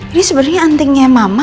ini sebenernya antingnya mama